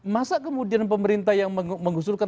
masa kemudian pemerintah yang mengusulkan